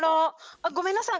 あっごめんなさい。